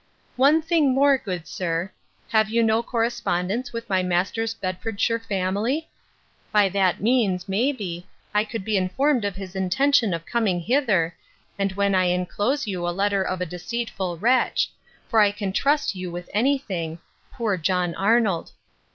'One thing more, good sir. Have you no correspondence with my master's Bedfordshire family? By that means, may be, I could be informed of his intention of coming hither, and when I enclose you a letter of a deceitful wretch; for I can trust you with any thing; poor John Arnold.